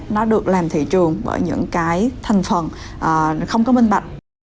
nó được làm thị trường bởi những cái thành phần không có minh bạch